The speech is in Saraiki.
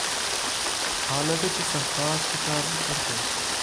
حالانکہ تُساں خاص کتاب وِی پڑھدو،